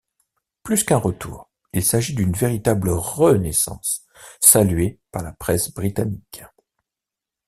Plus qu'un retour, il s'agit d'une véritable renaissance, saluée par la presse britannique.